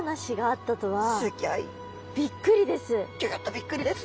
びっくりです。